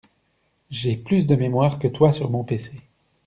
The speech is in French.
J'ai plus de mémoire que toi sur mon pc.